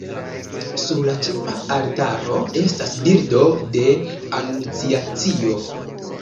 Sur la ĉefa altaro estas bildo de Anunciacio.